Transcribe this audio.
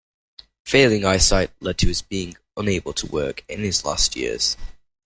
Failing eyesight led to his being unable to work in his last years.